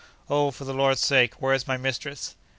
O, for the Lord's sake! where is my mistress?